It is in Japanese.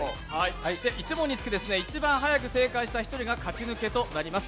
１問につき一番早く正解した人が勝ち抜けとなります。